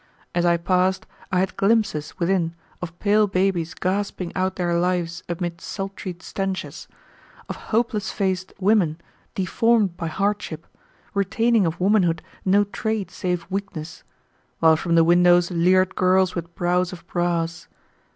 As I passed I had glimpses within of pale babies gasping out their lives amid sultry stenches, of hopeless faced women deformed by hardship, retaining of womanhood no trait save weakness, while from the windows leered girls with brows of brass.